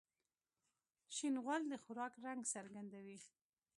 شین غول د خوراک رنګ څرګندوي.